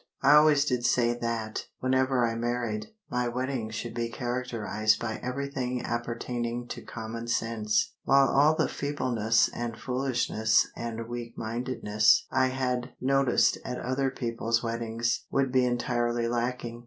I always did say that, whenever I married, my wedding should be characterised by everything appertaining to common sense; while all the feebleness and foolishness and weakmindedness I had noticed at other people's weddings would be entirely lacking.